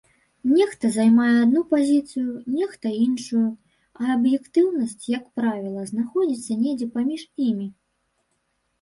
Нехта займае адну пазіцыю, нехта іншую, а аб'ектыўнасць, як правіла, знаходзіцца недзе паміж імі.